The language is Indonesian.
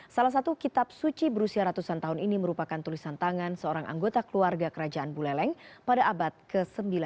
salah satu kitab suci berusia ratusan tahun ini merupakan tulisan tangan seorang anggota keluarga kerajaan buleleng pada abad ke sembilan belas